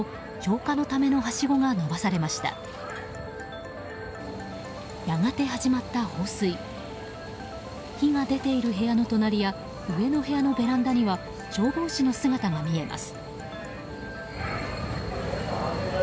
火が出ている部屋の隣や上の部屋のベランダには消防士の姿が見えます。